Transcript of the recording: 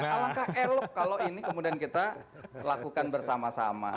alangkah elok kalau ini kemudian kita lakukan bersama sama